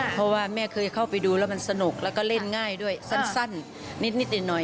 เพราะว่าแม่เคยเข้าไปดูแล้วมันสนุกแล้วก็เล่นง่ายด้วยสั้นนิดหน่อย